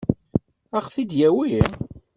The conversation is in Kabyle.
Ad ɣ-t-id-yawi?